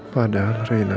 padahal rena tidak terima